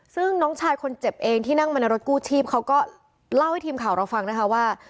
ซึ่งน้องชายคนเจ็บเองที่นั่งมาในรถกู้ชีพเขาก็เล่าให้ทีมข่าวเราฟังนะคะว่า